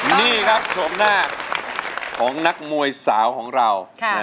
นี่ครับชมหน้าของนักมวยสาวของเรา